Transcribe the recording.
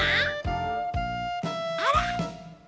あら？